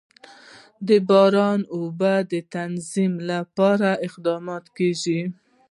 د باران د اوبو د تنظیم لپاره اقدامات کېږي.